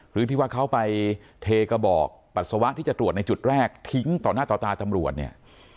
หรือที่ว่าเขาไปเทกระบอกปัสสาวะที่จะตรวจในจุดแรกทิ้งต่อหน้าต่อตาตำรวจเนี่ย